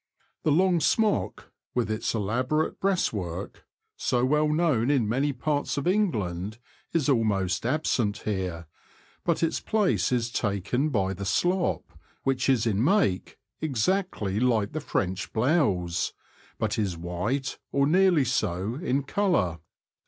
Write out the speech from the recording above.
The long smock, with its elaborate breast work, so well known in many parts of England, is almost absent here, but its place is taken by the slop, which is in make exactly like the French blouse, but is white, or nearly so, in colour.